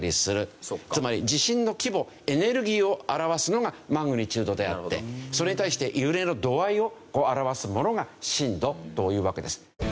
つまり地震の規模エネルギーを表すのがマグニチュードであってそれに対して揺れの度合いを表すものが震度というわけです。